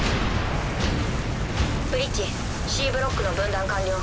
ブリッジＣブロックの分断完了。